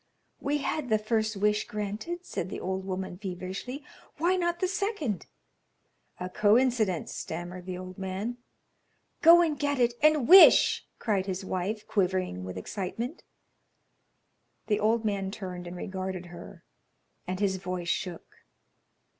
"We had the first wish granted," said the old woman, feverishly; "why not the second?" "A coincidence," stammered the old man. "Go and get it and wish," cried his wife, quivering with excitement. The old man turned and regarded her, and his voice shook.